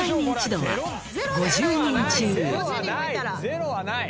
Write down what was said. ゼロはない。